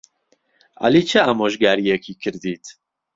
عەلی چ ئامۆژگارییەکی کردیت؟